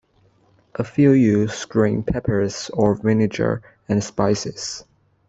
A few use green peppers or vinegar and spices.